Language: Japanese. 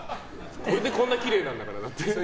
これでこんなにきれいなんだから。